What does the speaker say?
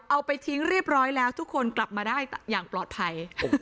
เอาไปทิ้งเรียบร้อยแล้วทุกคนกลับมาได้อย่างปลอดภัย